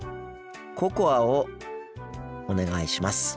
ココアをお願いします。